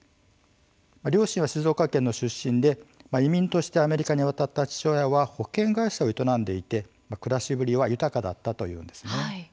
両親は静岡県の出身で移民としてアメリカに渡った父親は保険会社を営んでいて暮らしぶりは豊かだったというんですね。